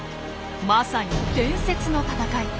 まさに伝説の闘い。